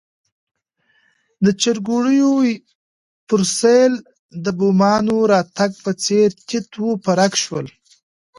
د چرګوړیو پر سېل د بومانو راتګ په څېر تیت و پرک شول.